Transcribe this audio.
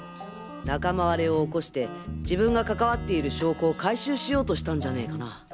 仲間割れを起こして自分が関わっている証拠を回収しようとしたんじゃねかな。